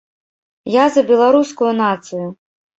Я за беларускую нацыю.